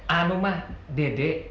anu mah dede